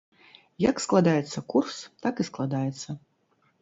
Як складаецца курс, так і складаецца.